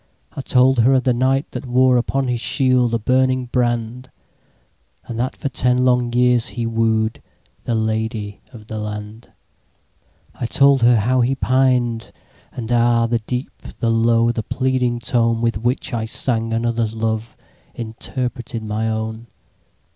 I told her of the Knight that woreUpon his shield a burning brand; And that for ten long years he woo'dThe Lady of the Land.I told her how he pined: and, ah! The deep, the low, the pleading toneWith which I sang another's loveInterpreted my own.